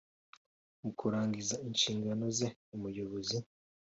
Mu kurangiza inshingano ze Umuyobozi